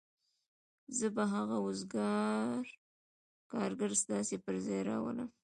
زه به هغه وزګار کارګر ستاسو پر ځای راوړم